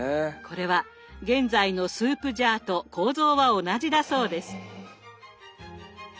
これは現在のスープジャーと構造は同じだそうです。